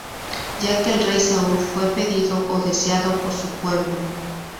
Ya que el rey Saúl, fue "pedido" o "deseado" por su pueblo.